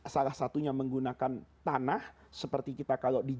salah satunya menggunakan tanah seperti kita kalau di